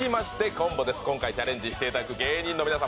今回チャレンジしていただく芸人の皆様